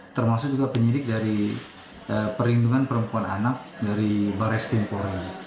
termasuk juga penyidik dari perlindungan perempuan anak dari barreskrimpori